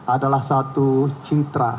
adalah satu citra